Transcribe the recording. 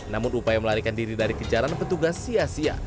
namun upaya melarikan diri dari kejaran petugas sia sia